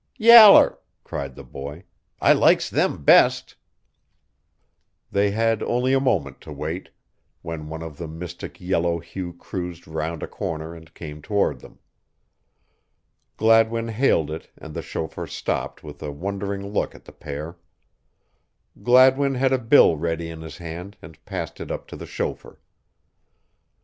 "Yaller," cried the boy. "I likes them best." They had only a moment to wait, when one of the mystic yellow hue cruised round a corner and came toward them. Gladwin hailed it and the chauffeur stopped with a wondering look at the pair. Gladwin had a bill ready in his hand and passed it up to the chauffeur.